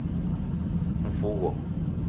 Mfugho